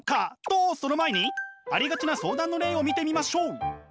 とその前にありがちな相談の例を見てみましょう！